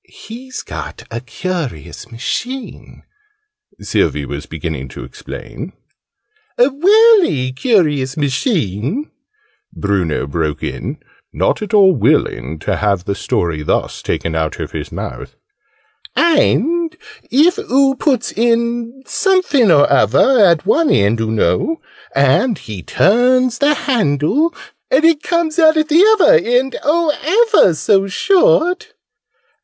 "He's got a curious machine," Sylvie was beginning to explain. "A welly curious machine," Bruno broke in, not at all willing to have the story thus taken out of his mouth, "and if oo puts in some finoruvver at one end, oo know and he turns the handle and it comes out at the uvver end, oh, ever so short!"